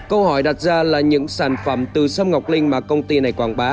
câu hỏi đặt ra là những sản phẩm từ sâm ngọc linh mà công ty này quảng bá